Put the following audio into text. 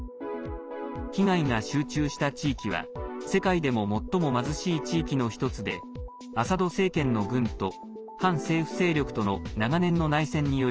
被害が集中した地域は世界でも最も貧しい地域の１つでアサド政権の軍と反政府勢力との長年の内戦により